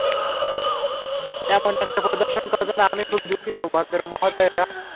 এমন একটা প্রদর্শন করার জন্য আমি খুবই দুঃখিত, ভদ্রমহোদয়েরা।